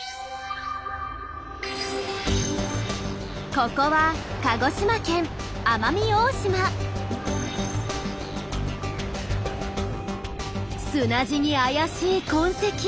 ここは砂地に怪しい痕跡。